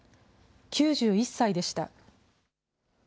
９１歳でした。